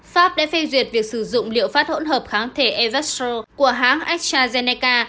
pháp đã phê duyệt việc sử dụng liệu phát hỗn hợp kháng thể evastro của hãng astrazeneca